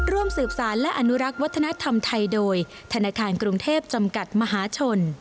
ร่วมสืบสารและอนุรักษ์วัฒนธรรมไทยโดยธนาคารกรุงเทพจำกัดมหาชน